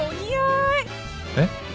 えっ？